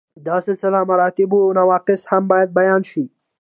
د سلسله مراتبو نواقص هم باید بیان شي.